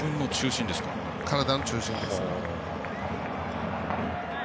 体の中心です。